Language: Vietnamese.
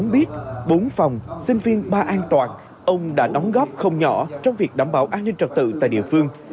biết bốn phòng sinh viên ba an toàn ông đã đóng góp không nhỏ trong việc đảm bảo an ninh trật tự tại địa phương